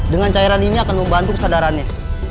dengan cairan ini akan membantu kesadarannya